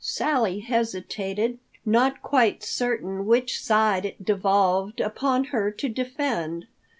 Sally hesitated, not quite certain which side it devolved upon her to defend.